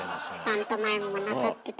パントマイムもなさってたし。